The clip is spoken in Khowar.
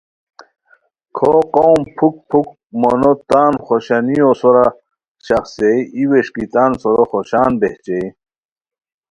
کھو قوم پُھک پُھک مونوٹان خوشانیو سورا شاخڅئے ای ووݰکی تان سورو خوشان بہچیئے